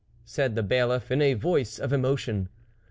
" said the bailiff in a voice of emotion.